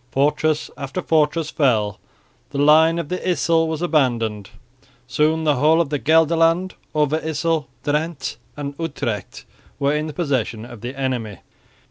Fortress after fortress fell; the line of the Yssel was abandoned. Soon the whole of Gelderland, Overyssel, Drente and Utrecht were in the possession of the enemy.